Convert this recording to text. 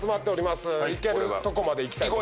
いけるとこまでいきたいと。